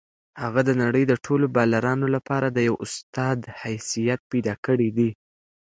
هغه د نړۍ د ټولو بالرانو لپاره د یو استاد حیثیت پیدا کړی دی.